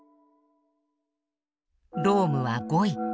ロームは５位。